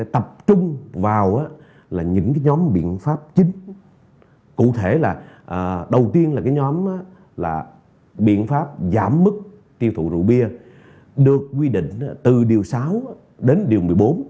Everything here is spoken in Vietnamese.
trong đó là biện pháp giảm mức tiêu thụ rượu bia được quy định từ điều sáu đến điều một mươi bốn